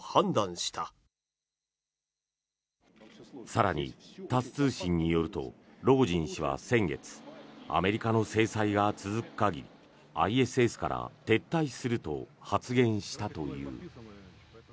更に、タス通信によるとロゴジン氏は先月アメリカの制裁が続く限りＩＳＳから撤退すると発言したという。